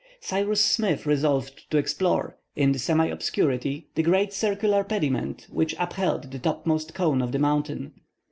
Cyrus Smith resolved to explore, in, the semi obscurity, the great circular pediment which upheld the topmost cone of the mountain.